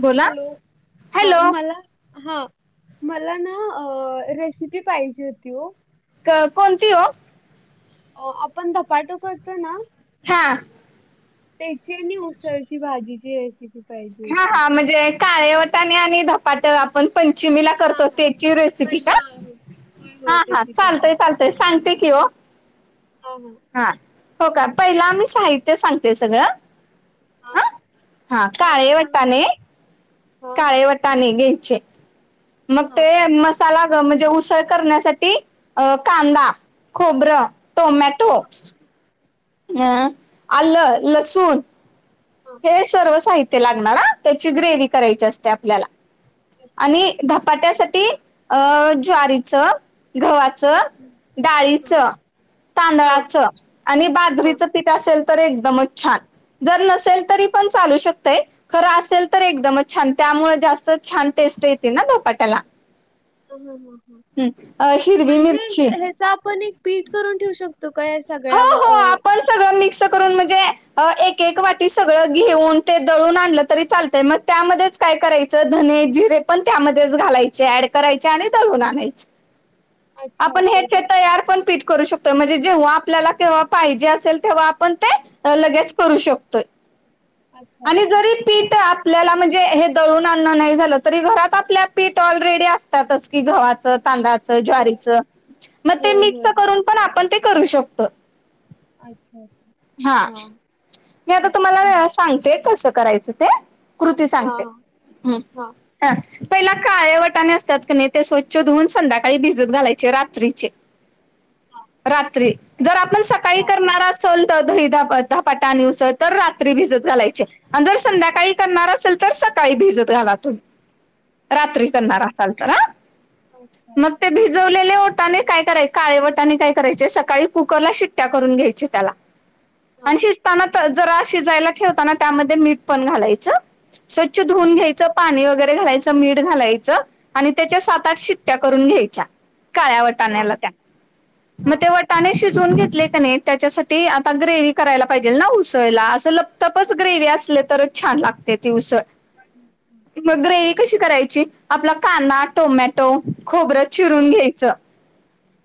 बोला हॅलो हा हॅलो मला हा मला ना रेसिपी पाहिजे होती. कोणती हो. अ आपण धपाटो करतो ना. हा. त्याची नाही उसळची भाजीची रेसिपी पाहिजे हा होती हा म्हणजे काळेवटाने आणि ध आपण पंचमीला हा करतो हा त्याची रेसिपी पण ह हा हो होय होय हा हा त्याची चालतय त्याची चालत. ते सांगते किवा ह हां. हा हो का पहिला आम्ही साहित्य सांगते सगळं. हा आं हा काळे वाट्टा न हा काळे वाट्ट. घ्यायचे मग हा ते मस्. म्हणजे उसळ करण्यासाठी कांदा खोबरं टोमॅटो अं आलं लसूण हा हे सर्व साहित्य लागणार त्याची ग्रेव करायची असते आपल्याला अच्छा आणि धपाट्यासाठी अ ज्वारीच गव्हाच हं, डाळीच हा हा तांदळाचं आणि हा हा बाजरीच असेल तर एकदमच छान जर नसेल तरी पण चालू शकतेय. खरं असेल तर एकदमच छान त्यामुळे जास्त छान टेस्ट येते ना दोपाट्याला हा हा हा. हम् अ हिरवी म्हणजे मिर्ची हे- ह्याचा आपण एक पीठ करून ठेवू शकतो का या सगळ्या प सगळं मिक्स करून म्हणजे एक एक वाटी सगळं घेऊन ते दळून आणलं तरी चालतय मग त्यामध्येच काय करायचं धने जिरे पण त्यामध्येच घालायचे ऍड करायचे आणि लून आणायचे. ह. आपण हे तयार पण पीठ करू शकतो. म्हणजे जेव्हा आपल्यालाव्हा पाहिजे असेल तेव्हा आपण ते हा, लगेच करू शकतोय. अच्छा आणि अच्छा जरी. हा. पीठ आपल्याला म्हणजे हे दळून आणणं नाही झालं तरी घरात आपल्या पीठ ऑलरेडी अस. की गव्हाच तांदळाचं. होय ज्वारीच मग ते होय होय मिक्स होय करून पण आपण ते करू शकतो.. अच्छा अच्छा. हा. मी आता तुम्हाला ओके. सांगते कसं करायचं ते कृती हां, सांगते. हां, ह. हां, ह पहिला काळे्या वटाने असतात. क ते स्वच्छ धुवून संध्याकाळी भिजत घालायचे रात्रीचे. हां. रात्री जर आपण सकाळी रात्री. करणार असल. तर दही द ध. स तर रात्री भिजत हां, घालायचे. आणि जर संध्याकाळी. करणार असेल तर सकाळी भिजत घरातून. रात्री हां, हां, करणार हां. असाल तर अच्छा, मग अच्छा. ते भिजव. लेल्या वटाने काय कराय काळे वटाने काय करायचे. सकाळी कुकरला शिट्ट्या करून घ्यायचे त्याला. [unintelligible] आणि शिजताना जरा शिजयला ठेवताना त्यामध्ये मीठ पण घालायचं. स्वच्छ धुवून हां, घ्यायं पाणी वगैरे घालायचं. मीठ घालायचं आणि त्याच्या सात आठ शिट्ट्या करून घ्यायच्या. काळ्या हां, वटाण्याला त्या मग हां, ते. शिजून घेतले क त्याच्यासाठी आता ग्रेव्ही करायला. पाहिजे ना उसळला असं लपतपच ग्रेव्ही असले तरच छान लागते ती उसळ ह् हम् मग ग्रेव्ही कशी करायची आपला कांदा टोमॅटो खोबरं हां, चिरून घ्यायचं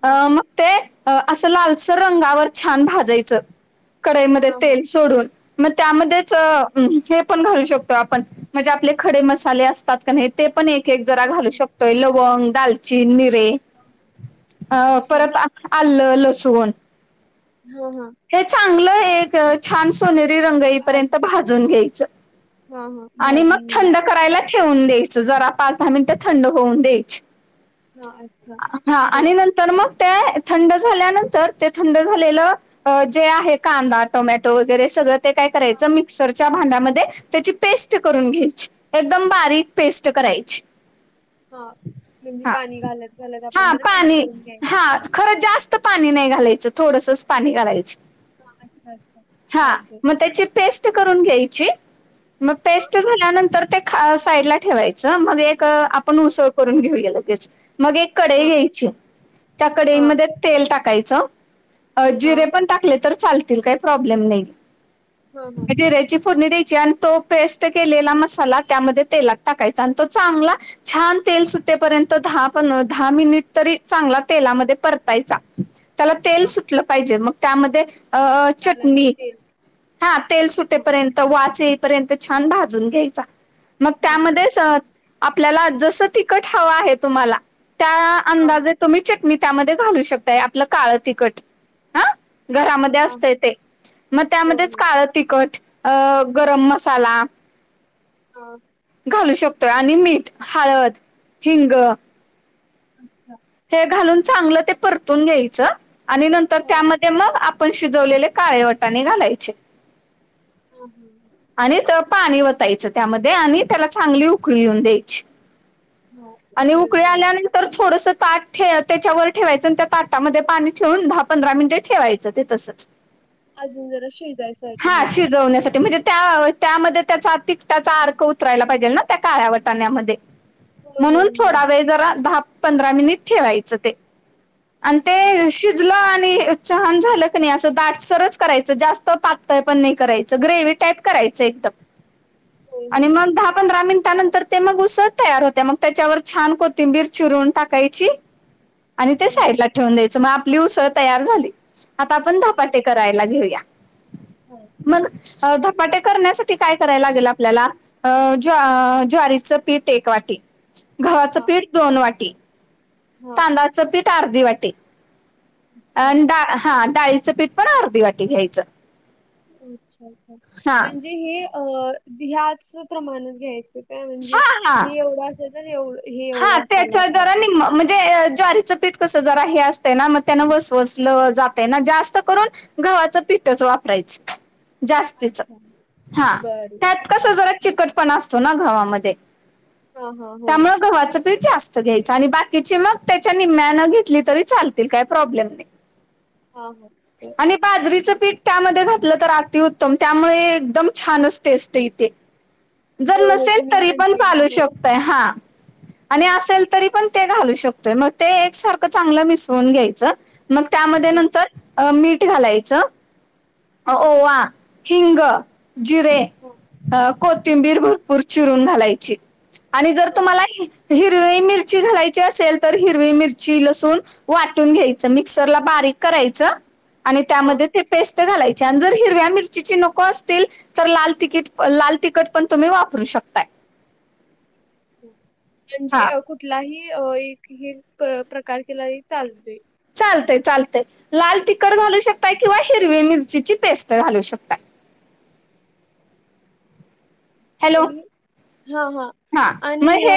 अ मग ते असं लालसर रंगावर छान भाजायचं कढईमध्ये हां, हां, तेल सोडून मग त्यामध्येच हां. ण घालू शकतो आपण म्हणजे आपले खडे मसाले असतात का ते पण एक एक जरा हो, घालू हो. शकतो. तोय लवंग दालचचीन निरे अ अच्छा. परत आलं लसण हा हा हे चांगलं एक छान सोनेरी रंग येई भाज पर्यंत भाजून घ्यायचं. हां, हां. आणि मग भाजून थंड घ्यायचं. करायला ठेवून द्यायच जरा पाच दहा मिनिटं थंड होऊन द्यायच. हां, अच्छा. हा हो. आणि नंतर मग त्या थंड झाल्यानंतर ते थंड झालेलं. अ जे आहे कांदा टोमॅटो वगैरे सगळं ते काय हां, करायचं. हां, मिक्सर च्या भांड्यामध्ये त्याची पेस्ट करून घ्यायची एकदम बारीक पेस्ट करायची. हा म्हणजे हा पाणी घालत घालत आपण हा जरा पेस्ट पाणी करून घ्या हा खरं जास्त पाणी नाही घालायचं थोडसच पाणी घालायच. हां, अच्छा, अच्छा. हा चालते. मग त्याची पेस्ट ठ हां, आपण उसळ करून घेऊया लगेच मग एक कडई हां, घ्यायची त्या हां, कडईमध्ये तेल टाकायच जिरे हां, हां, हां, जिर्‍याची फोडणी द्यायची तो पेस्ट केलेला मसाला त्यामध्ये तेलात टाकायचा आणि तो चांगला. छान तेल सुट्टेपर्यंत दहा प दहा मिनिट तरी चांगला. तेलामध्ये परतायचा त्याला तेल हां. सुटलं पाहिजे. मग त्यामध्ये अ मसाल्याचं चटणी तेल. हा तेल हां, सुटेपर्यंत वाच येईपर्यंत छान भाजून घ्यायचा मग हां. अच्छा. त्यामध्येच आपल्याला जसं तिखट हवं आहे. तुम्हाला त्या हां, हां. अंदाज तुम्ही चटणी त्यामध्ये घालू शकताय आपलं काळं तिखट हा हां, घरामध्ये हां. असते ते मग होय, त्यामध्येच होय. काळं तिखट अ गरम मसाला ह घालू शकतोय आणि मीठ हळद हिंग अच्छा हे घालून चांगलं ते परतून घ्यायचं आणि नंतर हां, त्यामध्ये ते मग आपण शिजवलेले काळे वटाने घालायचे हा हाच् आणि त पाणी वतायचं त्यामध्ये आणि त्याला चांगली उकळी येऊन द्यायची हां. आणि उकळी कळलं आहे. आल्यान तर थोडंस ताट त्याच्यावर ठेवायचं आणि त्या ताटामध्ये पाणी ठेवून दहा पंधरा मिनिटं ठेवायचं ते तसंच अजून जरा शेजयसाठीारी म्हणजे णे त्या त्यामध्ये त्याचा तिकटाचा अर्क उतरायला पाहिजे ना त्या काळ्या वटाण्यामध्ये होय, म्हणून होय, होय. थोडा वेळ जरा दहा पंधरा मिनिट ठेवायचं ते आणि ते शिजलं आणि छान झालं क नाही असं दाट सरच करायचं जास्त पातय पण नाही करायचं ग्रेव टाप कराय एक होय, आणि होय. मग दहा पंधरा मिनंतर ते मग उसळ तयार होत मग त्याच्यावर छान कोथिंबीर चिरून टाकायची आणि ते होय, साईडला ठेवून द्यायचं मग आपली उसळ तयार झाली आता आपण दहापाटे करायला घेऊया हा मग म ते करण्यासाठी काय करायला लागेल आपल्याला ज् ज्वारीचं पीठ एक वाटी गव्हाच हां. पीठ दोन वाटी हां. चं पीठ अर्धी वाटी अ अच्छा. डा हा डाळीचं पीठ पण अर्धी वाटी घ्यायचं. अच्छा अच्छा हा म्हणजे हे अ ह्याच प्रमाणात घ्याय ते काय म्हणजे हा हा हे एवढं असेल तर एव हे हा एवढं असायला त्याच्या जरा पाहिजे. निम्म म्हणजे ज्वारीच पीठ कस जरा हे असतंय ना मग त्यान वसवसल जातय ना जास्त करून गव्हाचं पीठच वापरायचं जास्तीच अच्छा. हा बरं, त्यात कस बरं. जरा चिकट पणा असतो ना गव्हामध्ये हा हा होय त्यामुळे गव्हाचं पीठ जास्त घ्यायच आणि बाकीची मग त्याच्या निम्म्यान घेतली तरी चालतील काय प्रॉब्लेम नाय. हा हा आणि बाजरीचं पीठ त्यामध्ये घातलं तर अति उत्तम त्यामुळे एकदम छानच टेस्ट येते. [unintelligible] जर होय. नसेल तुम्ही तरी पण म्हटलेला. चालू होय. शकतय हा आणि हां, असेल तरी पण ते घालू शकतोय म ते एक सारखं चांगलं मिसळून घ्यायचं. मग त्यामध्ये हां. नंतर अ मीठ घालायचं. हां, ओवा, हिंग जिरे हां, अ कोथिंबीर भरपूर चिरून घालायची. आणि जर हां, तुम्हाला हिरवी मिरची घालायची असेल तर हिरवी मिरची लसूण वाटून घ्यायच मिक्सरला बारीक करायचं आणि त्यामध्ये हां. ते त घालायचे आणि जर हिरव्या मिरची नको असतील तर लाल तिकीट लाल तिखट पण तुम्ही वापरू शकताय. हं म्हणजे हा अ कुठलाही अ एक हे प्रकार केला तरी चालतय. चालतेय चालतेय लाल तिखट घालू शकताय किंवा हिरवी मिरचीची पेस्ट घालू शकता. हॅलो आणि हां हां हा आणि मग हे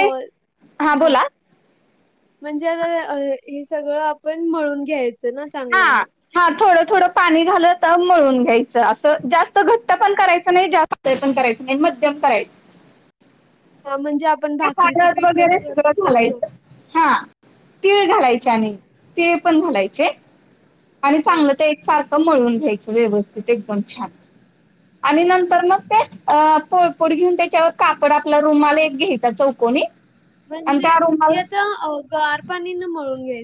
हा बोला म्हणजे आता हे सगळं आपण मळून घ्यायचं ना हा चांगल्यान. हा थोडं थोडं पाणी घालत मळून घ्यायचं असं जास्त घट्ट पण करायचं नाही जा ते पण करायच नाही मध्यम करायच हा म्हणजे आप ते पाण्यात वगैरे सगळं घालायचं. हा तिळ घालायचे हां, आणि तिळ पण घालायचे. आणि हां, चांगलं ते एक सारखं मळून घ्यायचं व्यवस्थित एकदम छान आणि ओके. नंतर मग ते अ पोळपोड घेऊन त्याच्यावर कापड आपल्या रूमाला एक घ्यायचा चौकोनी आणि म्हणजे त्या रुमाल हे आता गार पाणी न मळून घ्याय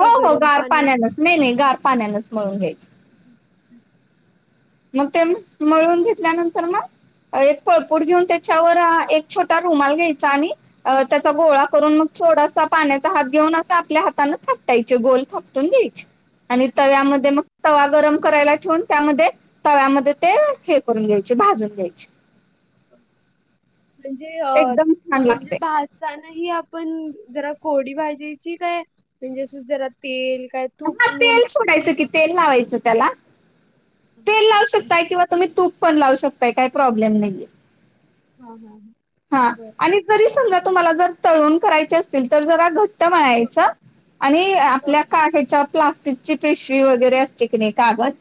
हो हो गार पाण्यानच नाय नाय गार पाण्यानच मळून घ्यायच. [unintelligible] मग ते मळून घेतल्यानंतर म एक पोळपाट घेऊन त्याच्यावर एक छोटा रुमाल घ्यायचा आणि अ त्याचा गोळा करून मग थोडासा पाण्याचा हात घेऊन असं आपल्या हाताने थापटायचे गोल थापटून घ्यायची. आणि तव्यामध्ये अच्छा. मग तवा गरम करायला ठेवून त्यामध्ये तव्याम त हे करून घ्यायचे भाजून घ्यायचे. म्हणजे अ एकदम छान म्हणजे लागते भाज ता नाही आपण जरा कोरडी भाजायची काय म्हणजे जरा तेल काय तूप म न तेल सोडायचं कि तेल लावायचं त्याला तेल लावू हा शकताय किंवा तुम्ही तूप पण लावू शकताय काही प्रॉब्लेम नाहीेये. हा हा. हा बर आणि जरी समजा तुम्हाला जर तळून करायचे असतील तर जरा घट्ट हा, म्हळायच आणि हो, आपल्या काढ्याच्या प्लास्टिकची पेशवी वगैरे असते की नाही कागद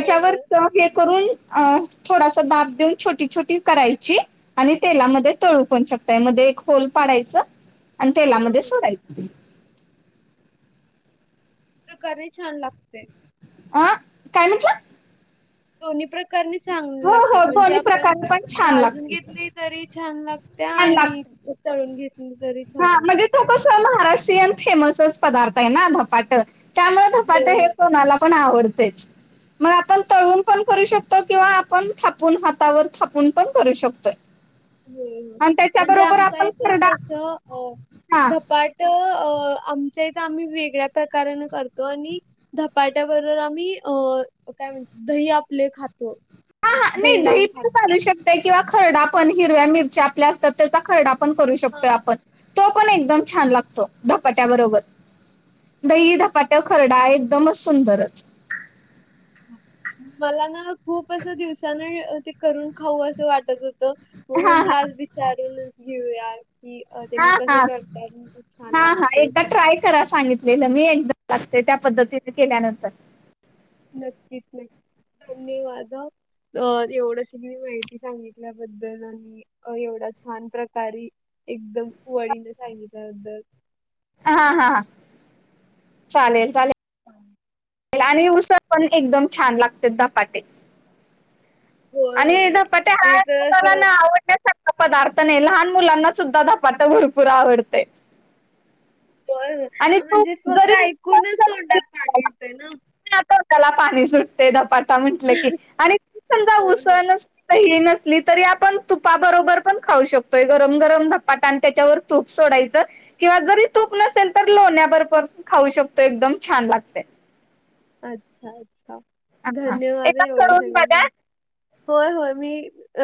हो. हे करून थोडासा दाब देऊन छोटी छोटी करायची आणि तेलामध्ये हा, तळूप होन शकता या मध्ये एक होल पाडायचं आणि हा, तेलामध्ये हा. सोडायचं ते प्रकारे छान लागते अ काय म्हटलं दोन्ही प्रकारे चांग हो हो लागतात म्हणजे दोन्ही आपण प्रकारे पण छान भाजून लागत घेतली तरी छान लागत्या छान आणि लागत उताळून घेतली तरी छान लागते काय महाष्टय फेमसच पदार्थ आहे नापाट हो त्यामुळेपाट हे कोला पण आवड मग आपण हो तून पण करू शकतो तो किंवा आपण थापून हातावर थापून पण करू शकतोय हो हो आणि म्हणजे त्याच्याबरोबर आमच आपण इथ खरडा कसं हा अ बट अ आमचं तर आम्ही वेगळ्या प्रकारान करतो आणि धपाट्याबरोबर आम्ही अ काय म्हणत दही आपले खातो हा हा नाही लावून दही पण खातो. चालू शकता किंवा खरडा पण हिरव्या मिरच्या आपल्या असतात त्याचा खरडा पण करू हा. शकतोय आपण तो पण एकदम छान लागतो धपाट्याबरोबर दही धपाट खरडा एकदमच सुंदरच अच्छा. मला ना खूप असं दिवसान ते करून खाऊ असं वाटत होत त मग हा हा म्हंटला विचारूनच घेऊया की अ त्यांनी हा कसं हा करतात म छान लागते खरा सांगितलेलं मी एकदम लागते त्या पद्धतीने केल्यानंतर नक्कीच नाही धन्यवाद एवढ श मी माहिती सांगितल्याबद्दल आणि अ एवढा छान प्रकारे एकदम वळीने सांगितल्याबद्दल हा हा चालेल चालेल हां आणि उसर पण एकदम छान लागते झधपाटे होय होय आणि पट्या ते तर हुलाला असं ना आवड पदार्थ नाही लहान मुलांना सुद्धा धपाात भरपूर आवडते ब आणि तू म्हणजे फक्त जरी ऐकूनच तोंडात पाणी येतंय ना त्याला पाणी सुटते धपाटा म्हटलं की आणि समजा [unintelligible] ह नसली तरी आपण तुपाबरोबर पण खाऊ शकतोय गरम गरम धपाटा आणि त्याच्यावर तूप सोडायचं किंवा जरी तूप नसेल तर लोण्या बरोबर खाऊ शकतो एकदम छान लागते अच्छा अच्छा हा धन्यवाद एकदा आहे एवढी करून सगळी बघा माझ होय होय मी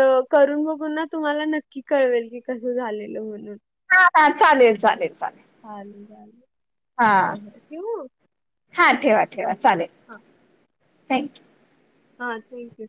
अ करून बघून ना तुम्हाला नक्की कळवेल की कसं झालेलं म्हणून हा हा चालेल चालेल चालेल चाले झाले हां हां ठेवा ठेवा चालेल थँक्यू हा थँक्यू